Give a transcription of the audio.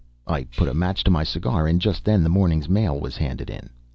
I put a match to my cigar, and just then the morning's mail was handed in.